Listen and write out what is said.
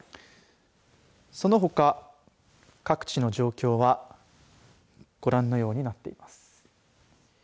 そのほか各地の状況はご覧のようになっています。